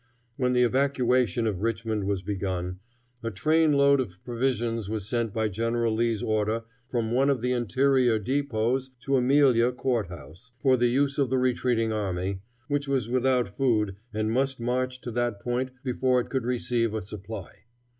When the evacuation of Richmond was begun, a train load of provisions was sent by General Lee's order from one of the interior dépôts to Amelia Court House, for the use of the retreating army, which was without food and must march to that point before it could receive a supply.